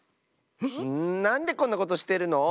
んなんでこんなことしてるの？